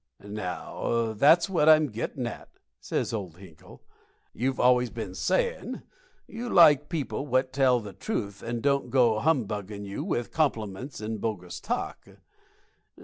"Now, that's what I'm gittin' at," says old Hinkle. "You've always been sayin' you like people what tell the truth and don't go humbuggin' you with compliments and bogus talk.